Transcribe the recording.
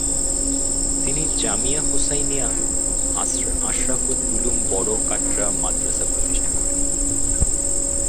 তিনি জামিয়া হোসাইনিয়া আশরাফুল উলুম, বড় কাটরা মাদ্রাসা প্রতিষ্ঠা করেন।